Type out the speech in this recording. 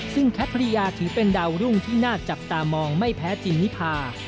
ซึ่งแคทภรรยาถือเป็นดาวรุ่งที่น่าจับตามองไม่แพ้จินนิพา